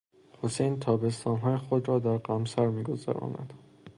حسین تابستان های خود را در قمصر میگذراند.